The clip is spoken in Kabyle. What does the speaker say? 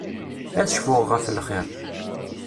Ad cfuɣ ɣef lxir.